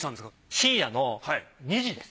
深夜の２時です。